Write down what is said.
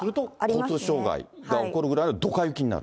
交通障害が起こるぐらいのどか雪になる。